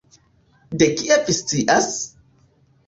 De kie vi scias?